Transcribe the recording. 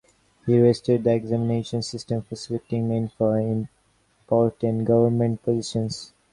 He restarted the examination system for selecting men for important government positions.